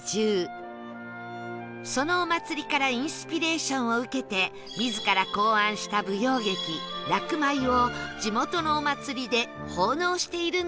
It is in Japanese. そのお祭りからインスピレーションを受けて自ら考案した舞踊劇楽舞を地元のお祭りで奉納しているんだそう